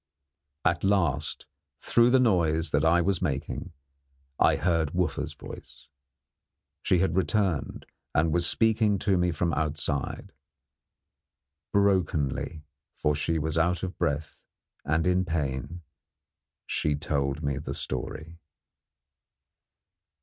At last through the noise that I was making I heard Wooffa's voice. She had returned, and was speaking to me from outside. Brokenly for she was out of breath, and in pain she told me the story.